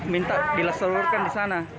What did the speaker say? minta dileselurkan di sana